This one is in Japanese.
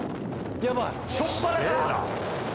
やばいしょっぱなから？